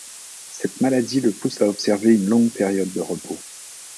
Cette maladie le pousse à observer une longue période de repos.